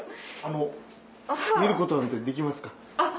見ることなんてできますか？